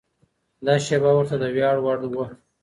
دا شېبه ورته د ویاړ وړ وه.